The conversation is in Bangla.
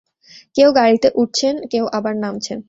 কেউ গাড়িতে উঠছেন, কেউ আবার নামছেন।